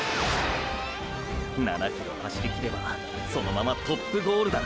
７ｋｍ走りきればそのままトップゴールだ。